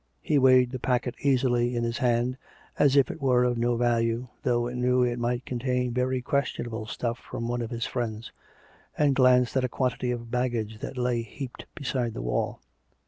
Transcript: He weighed the packet easily in his hand, as if it were of no value, though he knew it might contain very questionable stuff from one of his friends, and glanced at a quantity of baggage that lay heaped beside the wall.